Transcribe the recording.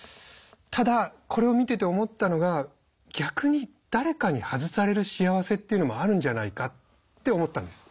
ただこれを見てて思ったのが逆に誰かに外される幸せっていうのもあるんじゃないかって思ったんです。